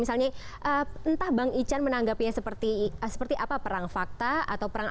misalnya entah bang ican menanggapinya seperti apa perang fakta atau perang